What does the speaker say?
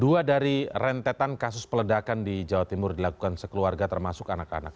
dua dari rentetan kasus peledakan di jawa timur dilakukan sekeluarga termasuk anak anak